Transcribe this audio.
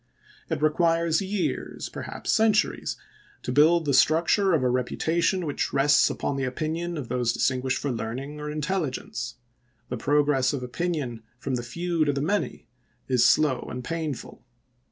It requires years, perhaps centuries, to build the LINCOLN'S FAME 345 structure of a reputation which rests upon the ch. xviil opinion of those distinguished for learning or in telligence ; the progress of opinion from the few to the many is slow and painful.